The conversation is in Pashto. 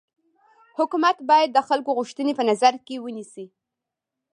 حکومت باید د خلکو غوښتني په نظر کي ونيسي.